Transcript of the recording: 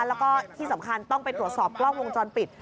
แล้วก็ที่สำคัญต้องไปตรวจสอบกล้องวงจรปิด